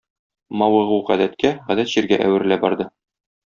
Мавыгу - гадәткә, гадәт чиргә әверелә барды.